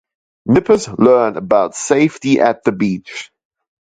Nippers learn about safety at the beach.